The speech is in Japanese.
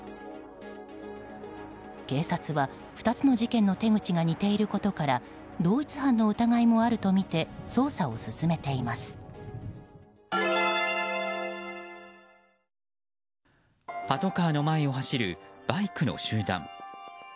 警察は２つの事件の手口が似ていることから同一犯の疑いもあるとみてパトカーの前を走るバイクの集団。